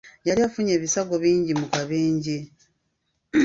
Yali afunye ebisago bingi mu kabenja.